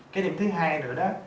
cái điểm thứ hai nữa đó